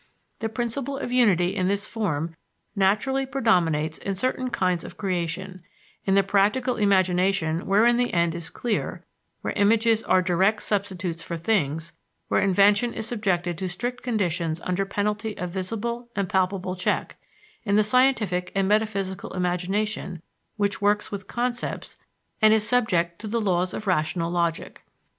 The principle of unity in this form naturally predominates in certain kinds of creation: in the practical imagination wherein the end is clear, where images are direct substitutes for things, where invention is subjected to strict conditions under penalty of visible and palpable check; in the scientific and metaphysical imagination, which works with concepts and is subject to the laws of rational logic.